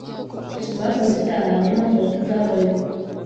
bakoze icyaha niyo mpamvu batazababarirwa